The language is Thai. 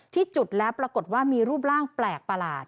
ที่จุดแล้วปรากฏว่ามีรูปร่างแปลกประหลาด